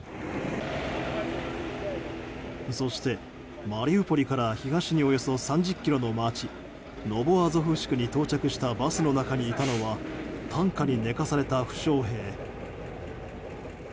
そして、マリウポリから東におよそ３０ｋｍの街ノボアゾフシクに到着したバスの中にいたのは担架に寝かされた負傷兵。